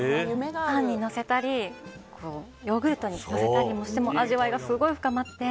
パンにのせたりヨーグルトにのせたりしても味わいがすごい深まって。